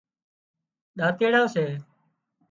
ۮاتيڙان سي